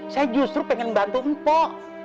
saya justru pengen bantu mpok